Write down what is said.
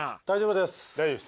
大丈夫です。